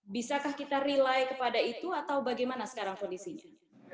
bisakah kita rely kepada itu atau bagaimana sekarang kondisinya